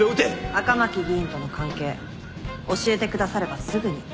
赤巻議員との関係教えてくださればすぐに。